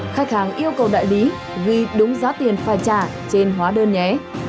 khách hàng yêu cầu đại lý ghi đúng giá tiền phải trả trên hóa đơn nhé